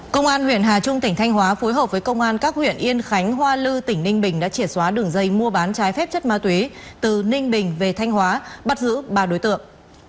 công an huyện hà trung tỉnh thanh hóa phối hợp với công an các huyện yên khánh hoa lư tỉnh ninh bình đã triển xóa đường dây mua bán trái phép chất ma túy từ ninh bình về thanh hóa bắt giữ ba đối tượng